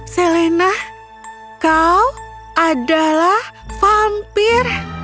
selena kau adalah vampir